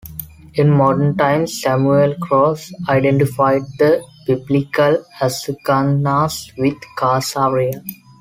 In modern times, Samuel Krauss identified the Biblical "Ashkenaz" with Khazaria.